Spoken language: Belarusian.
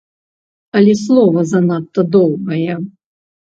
Але слова занадта доўгае!